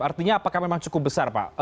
artinya apakah memang cukup besar pak